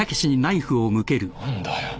何だよ？